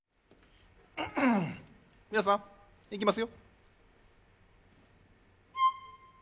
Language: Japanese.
みなさんいきますよ。